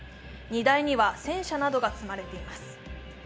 荷台には戦車などが積まれています。